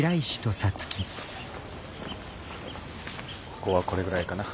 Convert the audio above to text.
ここはこれぐらいかな。